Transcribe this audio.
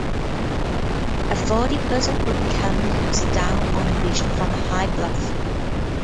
A forty-person group camp looks down on the beach from a high bluff.